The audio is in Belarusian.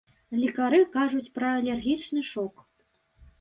Лекары кажуць пра алергічны шок.